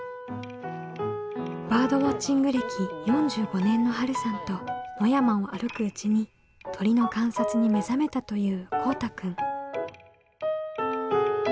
バードウォッチング歴４５年のはるさんと野山を歩くうちに鳥の観察に目覚めたというこうたくん。